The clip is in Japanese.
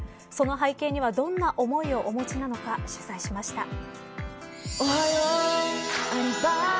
その背景にはどんな思いをお持ちなのか取材しました。